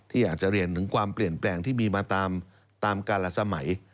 ที่อาจจะเรียนถึงความเปลี่ยนแปลงที่มีมาตามการละสมัย